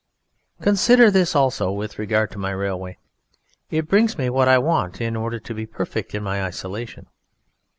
Consider this also with regard to my railway: it brings me what I want in order to be perfect in my isolation.